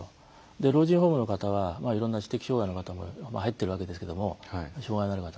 老人ホームの方はいろんな知的障害の方も入っているわけですけども障害のある方が。